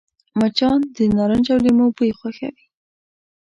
مچان د نارنج او لیمو بوی خوښوي